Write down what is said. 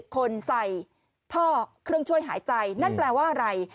คนใส่ท่อเครื่องช่วยหายใจนั่นแปลว่าอะไร